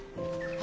あ。